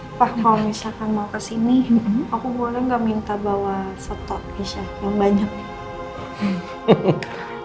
apa kalo misalkan mau kesini aku boleh gak minta bawa setok kece yang banyak